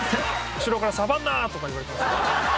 後ろから「サバンナ」とか言われてました。